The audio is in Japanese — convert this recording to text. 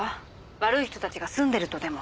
「悪い人たちが住んでる」とでも？